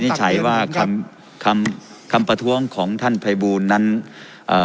ผมวินิจฉัยว่าคำคำคำประท้วงของท่านภัยบูรณ์นั้นเอ่อ